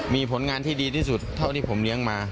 มีผลงานที่ดีที่สุดเท่าที่ผมเลี้ยงมา